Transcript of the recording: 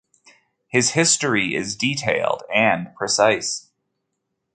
His history is detailed and precise.